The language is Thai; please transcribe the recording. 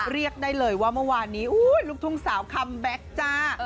เรียกได้เลยว่าเมื่อวานนี้ลูกทุ่งสาวคัมแบ็คจ้า